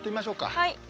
はい。